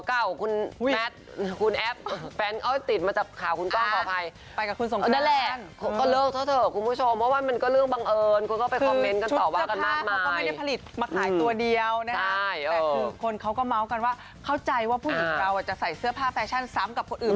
แต่คือคนเขาก็เมาส์กันว่าเข้าใจว่าผู้หญิงเราจะใส่เสื้อผ้าแฟชั่นซ้ำกับคนอื่น